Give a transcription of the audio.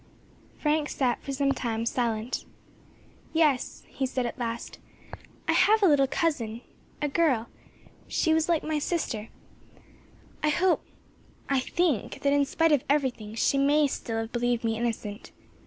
Frank sat for some time silent. "Yes," he said, at last. "I have a little cousin, a girl, she was like my sister; I hope I think that, in spite of everything, she may still have believed me innocent.